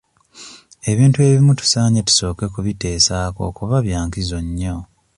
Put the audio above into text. Ebintu ebimu tusaanye tusooke kubiteesaako kuba bya nkizo nnyo.